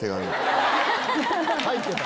入ってた。